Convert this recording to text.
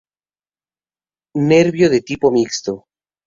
Nervio de tipo mixto.